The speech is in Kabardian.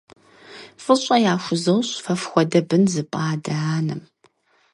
ФӀыщӀэ яхузощӏ фэ фхуэдэ бын зыпӏа адэ-анэм!